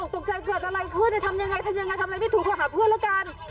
ตกใจเกิดอะไรขึ้นเนี่ยทำยังไงทำยังไงทำยังไงถูกโทรหาเพื่อนละกัน